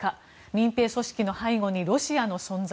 民兵組織の背後にロシアの存在。